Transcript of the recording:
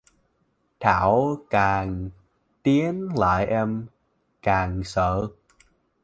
thảo càng tiến lại em càng sợ